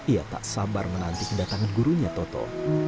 ia tak sabar menanti kedatangan gurunya toto